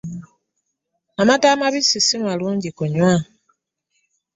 Amata amabisi si malungi kunywa.